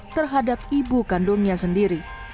terhadap ibu kandungnya sendiri